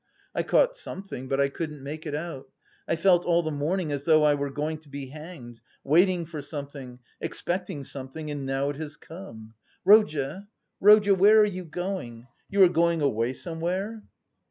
I caught something, but I couldn't make it out. I felt all the morning as though I were going to be hanged, waiting for something, expecting something, and now it has come! Rodya, Rodya, where are you going? You are going away somewhere?"